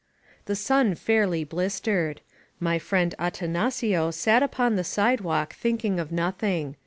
The sun fairly blistered. My friend Atanacio sat upon the sidewalk thinking of nothing.